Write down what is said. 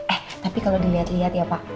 eh tapi kalo diliat liat ya pak